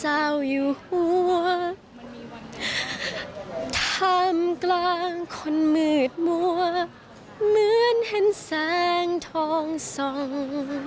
เหมือนเห็นแสงทองส่อง